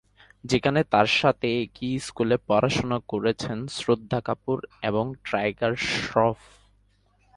যেখানে তার সাথে একই স্কুলে পড়াশোনা করেছেন শ্রদ্ধা কাপুর এবং টাইগার শ্রফ।